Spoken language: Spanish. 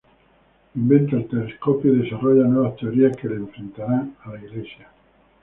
Inventa el telescopio y desarrolla nuevas teorías que le enfrentarán a la iglesia.